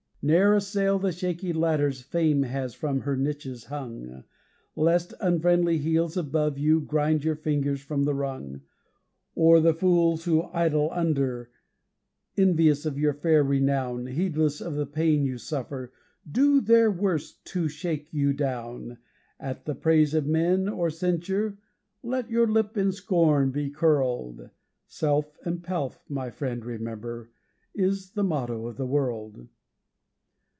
'Ne'er assail the shaky ladders Fame has from her niches hung, Lest unfriendly heels above you grind your fingers from the rung; Or the fools who idle under, envious of your fair renown, Heedless of the pain you suffer, do their worst to shake you down. At the praise of men, or censure, let your lip in scorn be curled, 'Self and Pelf', my friend, remember, is the motto of the world.